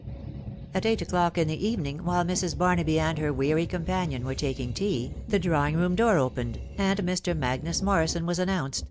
At eight o'clock in the evening, while Mrs. Barnaby and her weary companion were taking tea, the drawing room door opened, and Mr. Magnus Morrison was announced